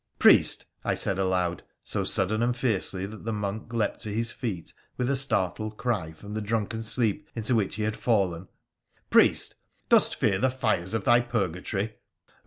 — Priest! ' I said aloud, so sudden and fiercely that the monk leapt to his feet with a startled cry from the drunken sleep into which he had fallen —' priest ! dost fear the fires of thy purgatory